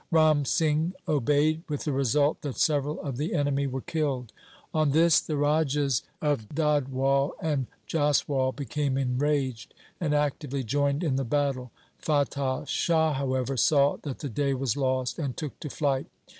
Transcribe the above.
Ram Singh obeyed, with the result that several of the enemy were killed. On this the Rajas of Dadhwal and Jaswal became enraged and actively joined in the battle. Fatah Shah, however, saw that the day was lost and took to flight.